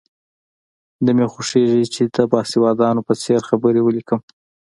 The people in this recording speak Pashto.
نه مې خوښېږي چې د باسوادانو په څېر خبرې ولیکم.